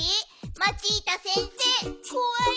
マチータ先生こわい？